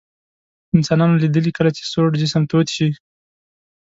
انسانانو لیدلي کله چې سوړ جسم تود شي.